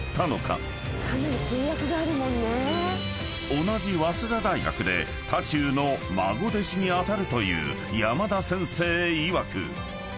［同じ早稲田大学で多仲の孫弟子に当たるという山田先生いわく］